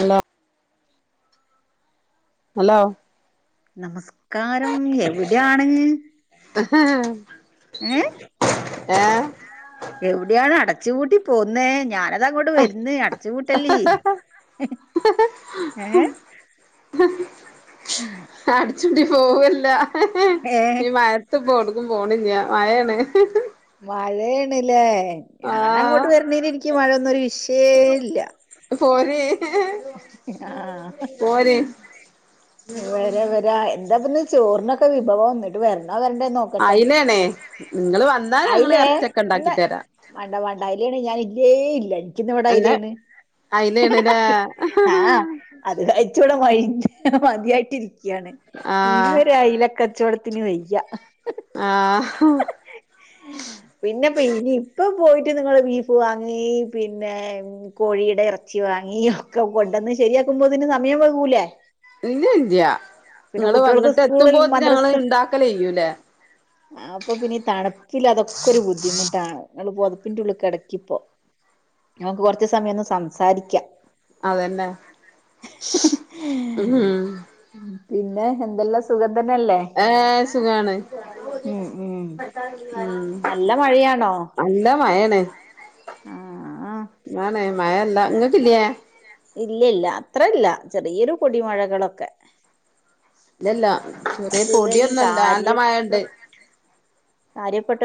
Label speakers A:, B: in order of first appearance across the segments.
A: Hello hello
B: നമസ്കാരം എവിടെയാണ്
A: ഹാ
B: ഏഹ്
A: ഏഹ്
B: റൂട്ടി പോന്നേ ഞാന അതാ അങ്ങോട്ട് വര്ന്ന് അടച്ചുപൂട്ടല്ലീ ഏഹ്
A: അടിച്ചൂട്ടി പോവല്ല
B: ഏ
A: ഈ മഴയത്ത് പോണു പോണില്ല മഴാണ്
B: മഴേണ്ലേ
A: ആഹ്
B: ഞാാനങ്ങോട്ട് വരുന്നേനു എനിക്ക് മഴയൊന്നും ഒരു വിഷയേ ഇല്ല
A: പോര്
B: ആഹ
A: പോര്
B: വരാ വരാ എന്താപ്പന്ന് ചോറിനൊക്കെ വിഭവം ഇന്നിട്ട് വരണോ വരണ്ടേ നോക്കട്ടെ
A: അയിലേണേ നിങ്ങള് വന്നാ ഞങ്ങള്
B: അയിലേ
A: എറച്ചിയൊക്കെ ഇണ്ടാക്കി
B: ഇന്ന
A: തരാം
B: വണ്ട വേണ്ട അയിലാണെ ഞാൻ ഇല്ലേ ഇല്ല ഇന്ന് ഇവിട അയിലയാണ്‌
A: അയിലേണ് ലേ
B: ആഹ അത് കഴച്ചുകൂടെ മഴി മതിയായിട്ട് ഇരിക്കയാണ് ഇന
A: ആഹ്
B: ഒരു അയിലക്കചോടത്തിന് വയ്യ
A: ആഹ് [unintelligible]
B: പിന്നെപ്പോ ഇനി ഇപ്പ പോയിട്ട് നിങ്ങള് ബീഫ് വാങ്ങി പിന്നെ കോഴിയുടെ ഇറച്ചി വാങ്ങി വാങ്ങി ഒക്കെ കൊണ്ടന്ന് ശരിയാക്കുമ്പോഴ്ത്തിനു സമയം വൈകൂലെ
A: ഇല്ല ഇല്ല നിങ്ങള് വങ്ങിട്ട്
B: സ്കൂളിൽ
A: എത്തുമ്പോത്തിന് ഞങ്ങള് ഇണ്ടാക്കല് കയ്യൂലെ
B: ആ അപ്പൊ പിന്നീ തണ അതൊക്കെ ഒരു ബുദ്ധിമുട്ടാണ് ഇങ്ങള് പുതപ്പിന്റെ ഉള്ളിൽ കിടക്കിപ്പോ നമുക്ക് കൊറച്ച സമയം ഒന്ന് സംസാരിക്കാം
A: അതന്നെ മ്മ്
B: പിന്നെ എന്തെല്ലാം സുഖം തന്നെല്ലേ
A: ഏഹ് സുഖാണ്
B: ഉ ഉ
A: ഉം
B: നല്ല മഴയാണോ
A: നല്ല മഴാണ്
B: ആഹ്
A: [unintelligible] മഴല്ലേ ഇങ്ങൾക്കില്ലേ
B: ഇല്ല ഇല്ല അത്ര ഇല്ല ചെറിയൊരു പൊടിമഴകളൊക്കെ
A: ഇല്ലല്ല ചെറിയ
B: തുവരെയും
A: പൊടിയൊന്നുല്ല നല്ല
B: കാര്യ കാര്യപ്പെട്ട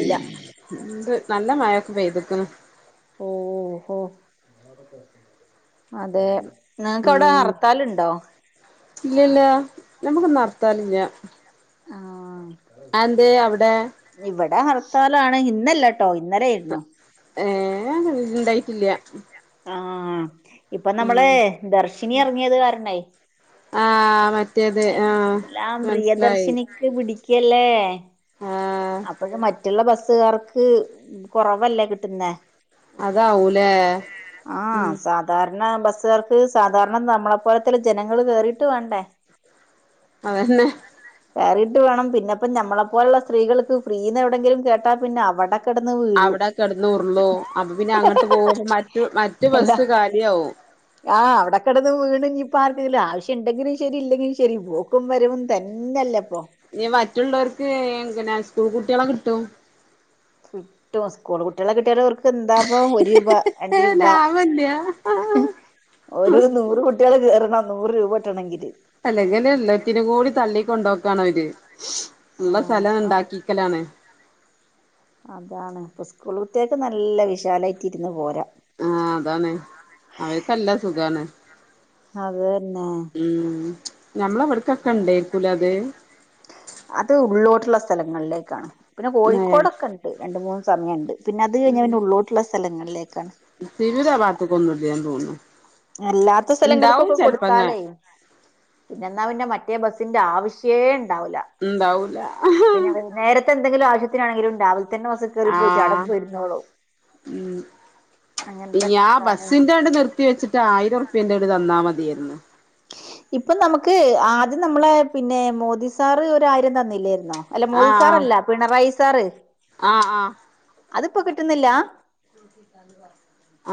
A: ഇണ്ട് നല്ല മഴൊക്കെ പെയ്ത്ക്ക്ണ്‌
B: ഓഹോ അതെ നിങ്ങക്ക് അവിടെ ഹർത്താലുണ്ടോ
A: ഇല്ല ഇല്ല നമ്മുക്ക്ന്ന് ഹർത്താലില്ല
B: ആ
A: അതെന്തേ അവിടെ
B: ഇവിടെ ഹർത്താലാണ് ഇന്നല്ല കേട്ടോ ഇന്നല ആയിരുന്നു
A: ഏർ ഇണ്ടായിട്ടില്ല
B: ആഹ ഇപ്പൊ നമ്മള്
A: ഉം
B: ദർശിനി ഇറങ്ങിയത് കാരണേ
A: ആ മറ്റേത് ആ
B: എല്ലാം
A: മനസ്സിലായി
B: പ്രിയദർശിനിക്ക് പിടി ക്കല്ലേ
A: ആ
B: അപ്പോക്കെ മറ്റുള്ള ബസ് ബസുകാർക്ക് കൊറവല്ലേ കിട്ടുന്നെ
A: അതാവൂലേ
B: ആഹ
A: ഉം
B: സാധാരണ കാര ബസ്സുകർക്ക് സാധാരണ നമ്മളെ പോലത്തെ ജനങ്ങള് കേറിട്ട് വേണ്ടേ
A: അതന്നെ
B: കേറീട്ട് വേണം പിന്നെപ്പം നമ്മളെ പോലുള്ള സ്ത്രീകൾക്ക് ഫ്രീന്ന് എവിടെങ്കിലും കേട്ടാ പിന്നെ അവടെ
A: അവ്ടെ കെട്ന്നുർളു അപ്പൊ പിന്നെ അങ്ങട്ട് പോകുമ്പ മറ്റ് മറ്റ്
B: അല്ല
A: ബസ്സ് കാലി ആവും
B: ആഹ് അവ്ടെ കെടന്ന് വീണ്ഞ്ഞിപ്പ ആർക്കലും ആവശ്യണ്ടെങ്കിലും ശരി ഇല്ലെങ്കിലും ശെരി പോക്കും വരവും ത അന്നല്ല
A: ഇഞ് മറ്റുള്ളോര്ക്ക് പിന്നെ സ്കൂൾ കുട്ട്യളെ കിട്ടും
B: കിട്ടും സ്കൂൾ കുട്ട്യളെ കിട്ടിയാലോർക് എന്ത പ്പോ ഒരു രൂപ രണ്ട് രൂപ
A: ലാഭല്ല്യ
B: ഒരു നൂറ് കൊട് ട്ട്യള് കേറണം നൂറ് രൂപട്ടണെങ്കില്
A: അല്ലെങ്കിൽ എല്ലാത്തിനും കൂടി തള്ളി കൊണ്ടുപോക്കണ അവര് ഇള്ള സ്ഥലം
B: ആഹ്
A: ഇണ്ടാക്കീക്കലാണ്
B: അതാണ് ഇപ്പൊ സ്കൂൾ കുട്ടികൾക്ക് നല്ല വിശാലായിട്ട് ഇരുന്ന് പോരാ
A: ആഹ് അതാണ് അവര്ക്കല്ല സുഖാണ്
B: അത് തന്നെ
A: ഞമ്മള ഇവ്ട്ക്കൊക്കെണ്ടേക്കുലത്
B: അത് ഉള്ളോട്ടുള്ള സ്ഥലങ്ങളിലേക്കാണ് പിന്നെ
A: ഏഹ്
B: കോഴിക്കോടൊക്കെണ്ട് രണ്ട്മൂന്ന് സമയണ്ട് പിന്നെ അത് കഴിഞ്ഞാപിന്നെ ഉള്ളോട്ട്ള്ള സ്ഥലങ്ങളിലേക്കാണ്
A: സിവിര പാത്തക്കൊന്നും ഇല്ലെന്ന് തോന്നുന്നു.
B: അല്ലാത്ത
A: ഇണ്ടാവും
B: സ്ഥലങ്ങൾക്കൊക്കെ
A: ചെലപ്പങ്ങ
B: കൊടുത്താലേ പിന്നെന്നാ പിന്നെ മറ്റേ ബസ്സിന്റെ ആവശ്യേ ഇണ്ടാവില്ല
A: ഇണ്ടാവൂല
B: പിന്നെ നേരത്തെ എന്തെങ്കിലും ആവശ്യത്തിനാണെങ്കിലും ഉണ്ടാവില്ല തന്ന ബസ്സ്‌ കേറിപോയിട്ട് അട
A: ആഹ്
B: പോയിരുന്നോളും
A: ഞാൻ
B: അങ്ങനത്തൊക്കാണ്
A: ബസ്സിന്റെണ്ട് നിർത്തി വെച്ചിട്ട് ആയിരർപ്യേന്റെണ്ട് തന്നാമതിയേര്ന്നു
B: ഇപ്പൊ നമുക്ക് ആദ്യം നമ്മളെ പിന്നെ മോദി സാർ ഒര് ആയിരം തന്നില്ലേ അല്ല മോദി
A: ആഹ്
B: സാറല്ല പിണറായി സാർ ആഹ് ആഹ്
A: ആഹ് ആഹ് ആഹ്
B: അതിപ്പോ കിട്ടുന്നി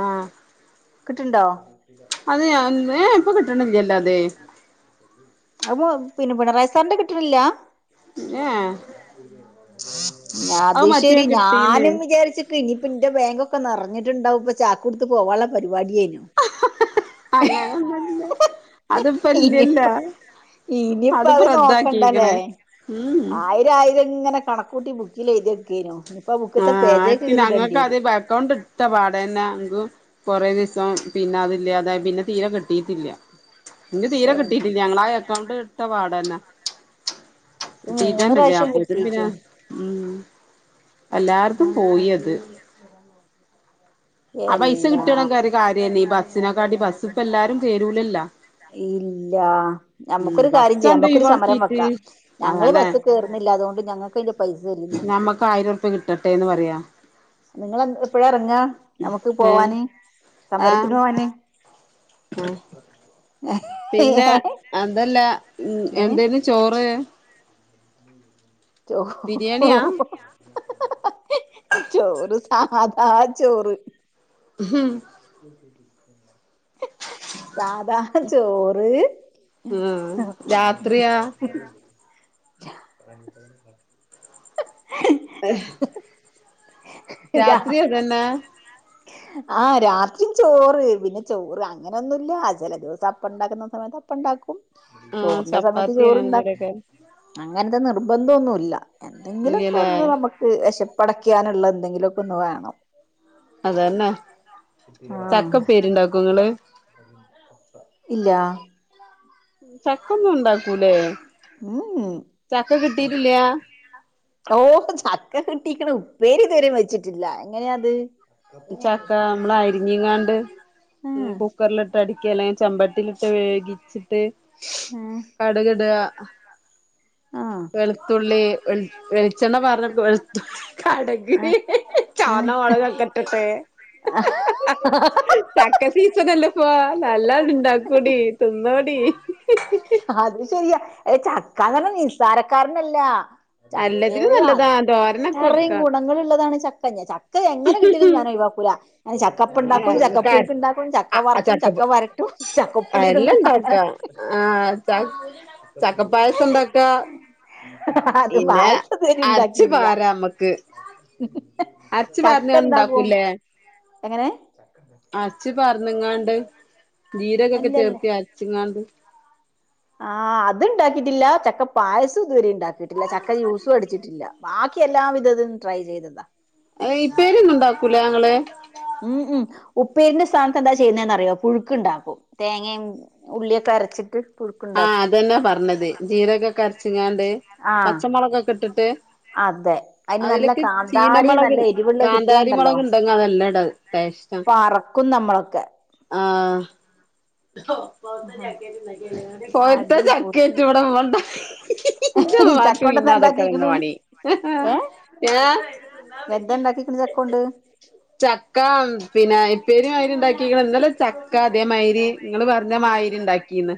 A: ആഹ്
B: ക് ട്ട്ണ്ടോ
A: അത് ഞാൻ ഏ ഇപ്പൊ കിട്ടണില്ലല്ലൊ അത്
B: അ പിന്നെ പിണറായി സാറിന്റെ കിട്ടിട്ടില്ല
A: ഏഹ് ഏഹ്
B: [inaudible] അത് ശെരി
A: കിട്ടീന്ന്
B: ഞാനും വിചാരിച്ചിട്ട് ഇനിയിപ്പ ഇന്റെ ബാങ്കൊക്കെ നിറഞ്ഞിട്ടുണ്ടാവും ഇപ്പൊ ചാക്ക് കൊടുത്ത് പോവള്ള പരിപാടി
A: അങ്ങനൊന്നല്ല അത്പ്പല്ല്യല്ലൊ
B: ഇനിപ്പ അഹ് നോക്കണ്ടല്ലേ
A: ഉം
B: ആയിരായി ഇതെങ്ങനെ കണക്കൂട്ടി ബുക്കിൽ എഴുതി വെക്കിനു
A: ആഹ ആര്ക് ഞങ്ങക്കാദ്യ ബ അക്കൌണ്ട് ഇട്ത്തപാടന്നെ ഇങ്കും കൊറേ ദീസം പിന്നെ അതില്ലാതായി പിന്നെ തീരെ കിട്ടീട്ടില്ല ഇൻക് തീരെ
B: ശരി
A: കിട്ടിയിട്ടില്ല ഞങ്ങള ആ അക്കൗണ്ട് ഇട്ത്തപാടന്നെ
B: മൂന്ന്
A: തീറ്റന്നല്ലേ
B: പ്രാവശ്യം
A: അപ്പോത്തിനു
B: കിട്ടീക്ക്
A: പിന്നെ എല്ലാര്തും പോയത് ആ പൈസ
B: എല്ലാം
A: കിട്ട്ണങ്കെ ഒരു കാര്യനീ ഈ ബസ്സിനെക്കാട്ടി ബസ്സ്പ്പ എല്ലാരും കേരൂലല്ല
B: ഇല്ല
A: ഉം
B: നമ്മക്കൊരു കാര്യം ചെയ്യാം
A: ബസ്സണ്ട്
B: മ്മക്കൊരു സമരം
A: ഒഴിവാക്കീട്ട്
B: വെക്കാം ഞങ്ങള്
A: അതന്നെ
B: ബസ്സ് കേറ്ന്നി ല്ല അതുകൊണ്ട് ഞങ്ങക്ക്ന്റെ പൈസ തരുന്നിട്ട്
A: ഞമ്മക്ക് ആയിരം ഉറുപ്യ കിട്ടട്ടേന്ന് പറയാ
B: നിങ്ങളെ എപ്പഴാ എറങ്ങാ നമക്ക്
A: ഏ
B: പോവാന് സമരത്തിനോവാന്
A: ആഹ് പിന്നെ അതല്ല ഉ
B: ഏ
A: എന്തേനു ചോറ്
B: ചോ
A: ബിരിയാണിയാ
B: ചോറ് സാധാചോറ്
A: ഹം
B: [unintelligible]
A: [unintelligible]
B: സാധാ ചോറ്
A: ആ രാത്രിയാ?
B: രാ...
A: അഹ് രാത്രി അതെന്നേ
B: ആ രാത്രിചോറ് പിന്നെ ചോറ് അങ്ങനൊന്നുല്ലാ ചെല ദിവസം അപ്പം ഇണ്ടാക്കണ സമയത്ത് അപ്പം ഇണ്ടാക്കും
A: ആഹ്
B: ചോറിന്റെ സമയത്ത്
A: ചപ്പാത്തി
B: ചോറ്ണ്ടാക്കും
A: അങ്ങനെന്തേലൊക്കെ
B: അങ്ങനെത്തെ നിർബന്ധം നിർബന്തോന്നുല്ല
A: ഇല്ലല്ലേ
B: എന്തെങ്കിലൊക്കൊന്ന് നമുക്ക് വെശപ്പടയ്ക്ക്യാന്ള്ള ന്തെങ്കിലൊക്കൊന്ന് വേണം
A: അതന്നെ
B: ആഹ്
A: ചക്കപേരിണ്ടാക്കോ ഇങ്ങള്
B: ഇല്ലാ
A: ചക്കൊന്നുംണ്ടാക്കൂലേ...
B: മ് മ് ഓ [unintelligible] കിട്ടീക്ണ് ഉപ്പേരിത്‌വെരേം വെച്ചിട്ടില്ല എങ്ങനെയത്‌..
A: ചക്ക മ്മള് അരിഞ്ങ്ങാണ്ട്
B: ആഹ്
A: കുക്കറില്ട്ട് [inaudible] ക്കെലെ അല്ലെങ്കി ചെമ്പട്ടിലിട്ട് വേഗിച്ചിട്ട്
B: ആഹ്
A: കടുക്ഡാ...
B: ആഹ്
A: വെളുത്തുള്ളി [unintelligible] വെളിച്ചെണ്ണ പാർന്ന് [unintelligible] കട്ക്ന്
B: ആഹ്
A: ചോന്ന
B: ആഹ്
A: മൊളകൊക്കെട്ട്ട്ട്
B: [unintelligible]
A: [unintelligible] [unintelligible] [unintelligible]
B: അത് ശെരിയാ ഏ ചക്കാന്നറഞാ നിസ്സാരക്കാരനല്ല ചക്കേ...
A: നല്ലതിന് നല്ലതാ തോരനൊക്കെ
B: അത്രേം
A: വെക്കാം
B: ഗുണങ്ങള് ള്ളതാണ് ചക്ക ചക്ക എങ്ങനെ കിട്ട്യാലും ഞാ.. ഒയിവാക്കൂല ക്കൂല അങ്ങന ചക്കപ്പണ്ടാക്കും,
A: ആഹ് നമക്ക്
B: ചക്കപ്പുഴുക്ക്ണ്ടാക്കും, ചക്ക
A: ആഹ്
B: വറക്കും, ചക്ക വരട്ടും ചക്കപ്പിലിടും.
A: ണ്ടാക്ക ആ ചക്കപ്പായസണ്ടാക്കാ...
B: അത് പായസെതെരീം ണ്ടാക്കീല്ലാ
A: പാരാ നമ്മക്ക് അരച്ച് പാർന്ന്ങ്ങാണ്ട്
B: ചക്കന്താകും
A: ഇണ്ടാക്കൂല്ലേ
B: എങ്ങനെ?
A: അരച്ച് പർന്ന്ങ്ങാണ്ട് ജീരകൊക്കെ
B: അല്ലല്ല
A: ചേർത്തി അരച്ച്ങ്ങാണ്ട്
B: ആ... അത്ണ്ടാക്കീട്ടില്ല ചക്ക പായസം ഇതുവരേം ണ്ടാക്കിട്ടില്ല ചക്ക ജൂസുഅടിച്ചിട്ടില്ല ബാക്കി എല്ലാ വിധതും ട്രൈ ചെയ്തതാ
A: അല്ലെ ഇപ്പേരിയൊന്നുണ്ടാക്കൂലെ ങ്ങള്
B: ഉം ഉം ഉപ്പേരിന്റെ സ്ഥാനതെന്താ ചെയ്യല്ന്ന്റിയോ പുഴുക്കുണ്ടാക്കും തേങേ ഉള്ളിയൊക്കെ അരച്ചിട്ട് [unintelligible]
A: ആ.. അതന്നെ പറഞ്ഞത് ജീരകൊക്കരച്ച്ങ്ങാണ്ട്
B: ആ
A: പച്ചമൊളകക്കെ ഇട്ട്ട്ട്
B: അതെ അതിന് നല്ല
A: അതില്ക്ക്
B: കാന്താരി
A: ചീനമൊളക്
B: നല്ല എരിവുള്ള
A: കാന്താരി
B: കിട്ടിയാണ്ടല്ലോ
A: മുളക്ണ്ടെങ്കിഅതെല്ലഡാ..
B: പറക്കും നമ്മളൊക്കെ
A: ആ....
B: ആഹാ [unintelligible]
A: പൊവ്ത്ത ചക്കേയ്റ്റ്വ്ടണ്ടാ ന്റെമ്മാക്ക്
B: ചക്കോണ്ട് എന്താ
A: പിന്നതക്ക
B: ഇണ്ടാക്കിക്ക്ണ്
A: പണി ഏ...
B: എന്തണ്ടാക്കീക്ക്ണ് ചക്കോണ്ട്.
A: ചക്കാ പിന്നെ [inaudible] [unintelligible] ഇന്നല ചക്ക അതേമാരി ഇങ്ങള് പറഞ്ഞമായിരി ഇണ്ടാക്കീന്ന്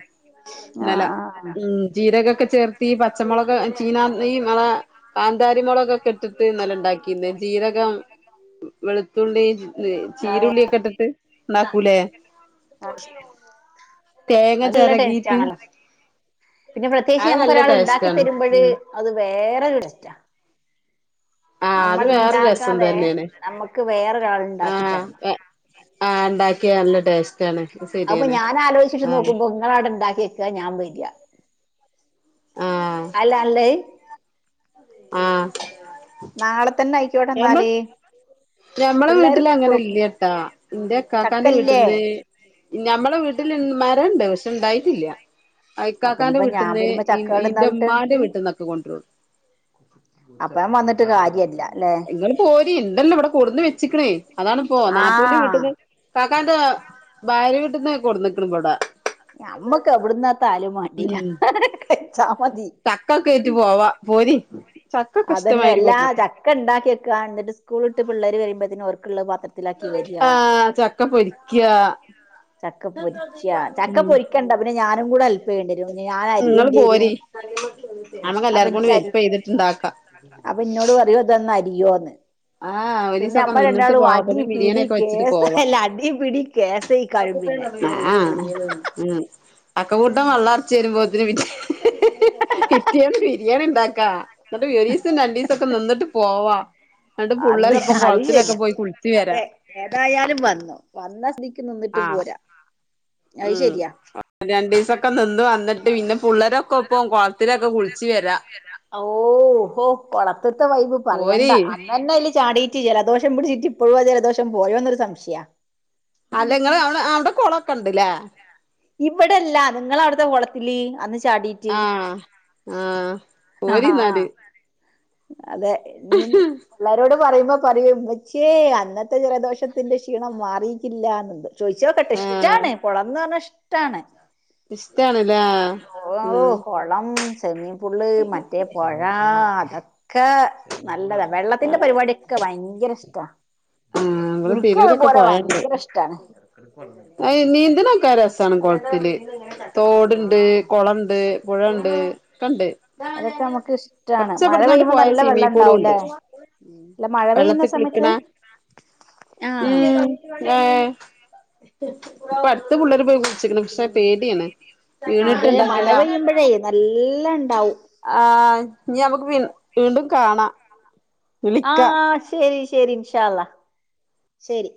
A: ന്നല
B: ആഹ് ആഹ്
A: ഉം ജീരകക്ക ചേർത്തീ പച്ചമൊളകചീനാന്തിന്നങ്ങള കാന്താരിമുളകൊക്കെട്ടിട്ട് ന്നലെ ണ്ടാക്കീന്നത്. ജീരകം, വെളുത്തുള്ളി ല്
B: ആഹ്
A: ചീരുള്ളിയൊക്കെ ഇട്ടിട്ട്ണ്ടാക്കൂലേ..
B: അതെല്ലടേസ്റ്റാണല്ലോ.. പിന്നെ
A: അത് നല്ല
B: പ്രത്യേകിച്ചമക്കൊരാള് ണ്ടാക്കി
A: ടേസ്റ്റാണ്
B: തരുമ്പഴ്
A: ഉം
B: അത് വേറൊരു ടേസ്റ്റാ..
A: ആ അത്
B: നമ്മൾ
A: വേറെ രസം
B: ഇണ്ടാക്കാതെ
A: തന്നെയാണ്
B: നമ്മക്ക് വേറൊരാൾ
A: ആ
B: ഇണ്ടാക്കി തരണം
A: ആ ഉണ്ടാക്കിയ നല്ല ടേസ്റ്റ്
B: അപ്പൊ ഞാൻ ആലോചിച്ചിട്ട് നോക്കുമ്പോ ഇങ്ങളവ്ടെ ഉണ്ടാക്കി വെക്ക ഞാൻ വരാ അല്ല നല്ലത്
A: ആ
B: നാളെ [unintelligible]
A: ഞമ്മള
B: പിള്ളേര്
A: വീട്ടിലങ്ങനെ
B: സ്കൂള്
A: ഇല്ലൃട്ടാ ന്റിക്കക്കാന്റെ
B: ചക്കല്ലേ
A: വീട്ടില് ഞമ്മളെ വീട്ടിൽ മരംണ്ട് പക്ഷെ ഇണ്ടായിട്ടില്ല
B: അപ്പൊ
A: ഇക്കാക്കാന്റെ
B: ഇനിയിപ്പോ ഞാൻ
A: വീട്ടന്ന്
B: വരുമ്പോ ചക്ക എവിടുന്നാ കിട്ടാ
A: ഇന്റെമ്മാന്റെ
B: അനക്ക്
A: വീട്ടിൽ നിന്നൊക്കെ കൊണ്ടരുള്ളൂ
B: അപ്പ ഞാൻ വന്നിട്ട് കാര്യല്ല ല്ലേ
A: ഇങ്ങള് പോരി ഇണ്ടല്ലോ ഇവിടെ കൊട്ന്ന് വെച്ചിക്ക്ണേ അതാണിപ്പോ നാടത്തൂന്റെ
B: ആഹ്
A: വീട്ട്ന്ന് ക്കാന്റെ ഭാര്യ വീട്ടന്ന് കൊണ്ടന്നിക്ക്ണിവിടെ
B: നമ്മക്ക് എവിടെന്നെത്താണലും വേണ്ടീല
A: ഉം
B: കയിച്ച മതി
A: പോരീ ചക്കകഷ്ടമായിരിക്കോ
B: ഒക്കെണ്ടാക്കിക്ക ന്നിട്ട് സ്കൂളിട്ട് പിള്ളേര് വരുമ്പത്തിനും ഓർക്ക്ള്ള
A: ആ ചക്ക പൊരിക്യാ
B: ചക്ക പൊരിക്ക ചക്ക പൊരിക്കണ്ട പിന്നെ ഞാനും കൂടെ ഹെല്പ്പ് ചെയ്യേണ്ടെരും ഞാൻ അരിയേണ്ടിരും
A: നമുക്ക് എല്ലാവർക്കും കൂടെ ഹെല്പ് ചെയ്തിട്ടു
B: അപ്പൊ ഇന്നോട് പറയോ ഇതൊന്നു അരിയോന്ന്
A: ആഹ്
B: പിന്നെ
A: ഒരീസൊക്കെ
B: നമ്മള്
A: നിന്നിട്ട്
B: രണ്ടാളും
A: പോവാ അപ്പത്തിന്
B: അടിപിടി
A: ബിരിയാണിയൊക്കെ വെച്ചിട്ട്
B: കേസല്ല അടി പിടി കേസ കഴ
A: ആ അക്ക കൂട്ടം വളർച്ചെന്നും വരുമ്പോത്തിന് പിന്നെ ഹ് ഹ് ഹ് കിട്ടിയന്ന് ബിരിയാണി ഉണ്ടാക്കാ എന്നിട്ട് ഒരീസം രണ്ടീസംക്കെ നിന്നിട്ട് പോവാ എന്നിട്ട്
B: അത്
A: പുള്ളേരൊപ്പം
B: അത്
A: കൊളത്തിലൊക്കെ
B: ശെരിയാ
A: പോയി കുളിച്ച് വരാ
B: അതെ ഏതായാലും വന്നു വന്ന സ്ഥിതിക്ക് നിന്നിട്ട്
A: ആഹ്
B: പോരാ അത്
A: ഉം
B: ശരിയാ
A: രണ്ടു ദിവസൊക്കെ നിന്ന് വന്നിട്ട് പിന്നെ പിള്ളേരൊക്കെ ഇപ്പ പോക
B: കൊളത്തിലൊക്കെ കുളിച്ചു വരുവാ ഓ കൊളതീത്തെ വൈബ് പറയണ്ട
A: പോരി
B: അന്നെ ചാടിയിട്ട് ജലദോഷം പിടിച്ചിട്ട് ഇപ്പോഴുവാ ജലദോഷം പോയോന്നൊരു സംശയാ
A: അല്ലെങ്ങ അവ അവിടെ കൊളൊക്കെ ഇണ്ട്ല്ലേ
B: ഇവിടെല്ല നിങ്ങ അവിടുത്തെ കുളത്തില് അന്ന് ചാടിറ്റ്
A: ആഹ് ആഹ്
B: ഉം ആ ആ ഹാ
A: പോരിന്നാല്
B: അതെ ഇ പിള്ളേരോട് പറയുമ്പോ പറയും മ്മ്ച്യേ അന്നത്തെ ജലദോഷത്തിന്റെ ഷീ ക്ഷീണം മാറിയിട്ടില്ലാന്ന് ചോദിച്ച നോക്കട്ടെ
A: ആഹ്
B: ഇഷ്ടാണ് കുളംന്ന് പറഞ്ഞ ഇഷ്ടാണ്
A: ഇഷ്ടാണല്ലേ ഉം
B: സ്വിമിങ് പൂള് മറ്റേ പുഴ അതൊക്കെ നല്ലതാ വെള്ളത്തിന്റെ പരിപാടിയൊക്കെ ഭയങ്കര ഇഷ്ടാ
A: ആഹ് നമ്മള്
B: എനിക്കു
A: തിരൂരൊക്കെ
B: അതുപോലെ
A: പോയണ്ട്
B: ഭയങ്കര ഇഷ്ടാണ്
A: നീന്തലൊക്കെ രസമാണ് കുളത്തില്
B: ആ
A: തോടുണ്ട് കൊളംണ്ട് പുഴണ്ട് കണ്ട്
B: അതൊക്കെ നമുക്ക് ഇഷ്ടാണ്
A: കൊറച്ച്
B: മഴ
A: അവിടുന്നങ്ങാണ്ട്
B: പെയ്യുമ്പോ
A: പോയ
B: നല്ല വെള്ളം
A: സ്വിമ്മിംഗ് പൂളുംണ്ട്
B: ഉണ്ടാവൂലേ അല്ല മഴ പെയ്യുന്ന
A: വെള്ളത്തി കളിക്കണ
B: സമയത്ത് ആ
A: ഉം ഹേ ഇപ്പൊ അടുത്ത പിള്ളേര് പോയി കുളിച്ചിക്കണ് പക്ഷെ പേടിയാണ്
B: അതെ മഴ
A: വീണിട്ടുണ്ടെങ്കിലോ
B: പെയ്യുമ്പോഴേ നല്ലയിണ്ടാവും
A: ഞ്ഞി നമുക്ക് വീ വീണ്ടും കാണാം
B: ആ
A: വിളിക്കാം
B: ശരി ശരി ഇൻഷാള്ള ശരി